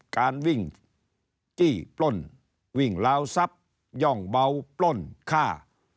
การวิ่งจี้ปล้นวิ่งลาวทรัพย์ย่องเบาปล้นฆ่า